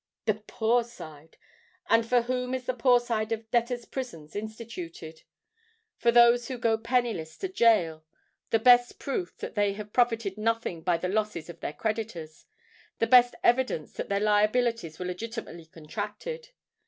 The Poor Side!—And for whom is the Poor Side of debtors' prisons instituted? For those who go penniless to gaol,—the best proof that they have profited nothing by the losses of their creditors,—the best evidence that their liabilities were legitimately contracted!